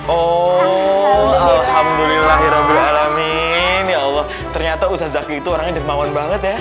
oh alhamdulillah ya allah ternyata ustadz zaki itu orangnya dirmawan banget ya